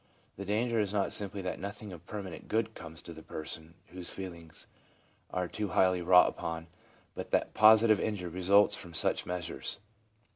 The danger is not simply that nothing of permanent good comes to the person whose feelings are too highly wrought upon, but that positive injury results from such measures.